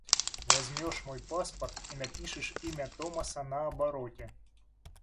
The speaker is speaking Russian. Возьмешь мой паспорт и напишешь имя Томаса на обороте.